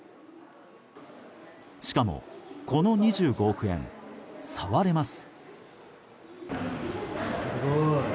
しかも、この２５億円触れます。